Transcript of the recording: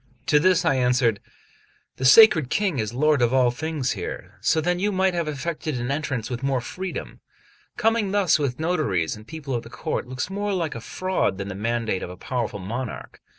To this I answered: "The sacred King is lord of all things here: so then you might have effected an entrance with more freedom: coming thus with notaries and people of the court looks more like a fraud than the mandate of a powerful monarch.